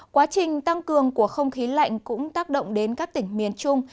quá trình tăng cường của không khí lạnh cũng tác động đến các tỉnh miền trung